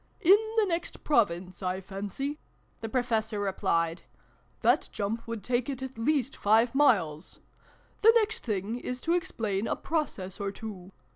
"In the next Province, I fancy," the Pro fessor replied. " That jump would take it at least five miles ! The next thing is to ex plain a Process or two.